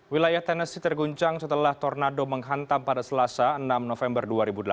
wilayah tennecy terguncang setelah tornado menghantam pada selasa enam november dua ribu delapan belas